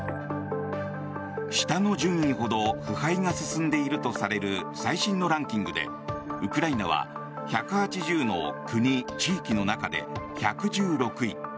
下の順位ほど腐敗が進んでいるとされる最新のランキングでウクライナは１８０の国・地域の中で１１６位。